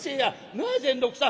なあ善六さん」。